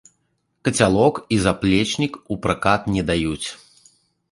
Кацялок і заплечнік у пракат не даюць.